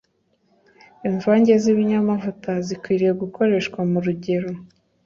Imvange zIbinyamavuta Zikwiriye Gukoreshwa mu Rugero